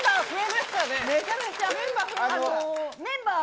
めちゃめちゃメンバーが。